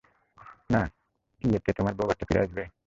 না-কি এতে তোমার বউ-বাচ্চা ফিরে আসবে?